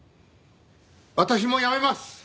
私も辞めます！